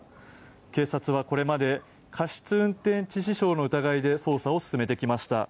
警察は、これまで過失運転致死傷の疑いで捜査を進めてきました。